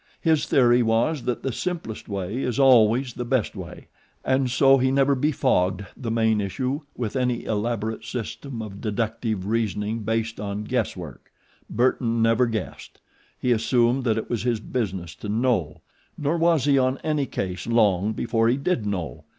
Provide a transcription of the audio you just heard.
His theory was that the simplest way is always the best way and so he never befogged the main issue with any elaborate system of deductive reasoning based on guesswork. Burton never guessed. He assumed that it was his business to KNOW, nor was he on any case long before he did know.